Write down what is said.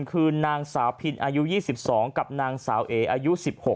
คือนางสาวพินอายุ๒๒กับนางสาวเออายุ๑๖